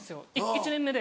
１年目で。